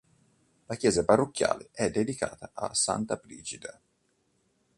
La chiesa parrocchiale è dedicata a santa Brigida.